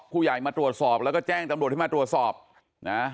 ผู้ใหญ่มาตรวจสอบแล้วก็แจ้งตำรวจให้มาตรวจสอบนะ